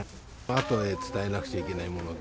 あとへ伝えなくちゃいけないもの。